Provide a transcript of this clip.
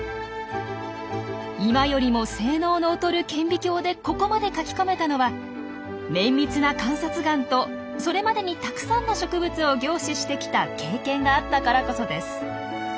今よりも性能の劣る顕微鏡でここまで書き込めたのは綿密な観察眼とそれまでにたくさんの植物を凝視してきた経験があったからこそです。